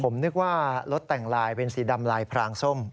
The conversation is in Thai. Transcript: ผมนึกว่ารถแต่งลายเป็นสีดำลายพรางส้ม